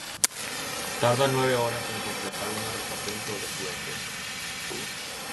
Tarda nueve horas en completar una rotación sobre su eje.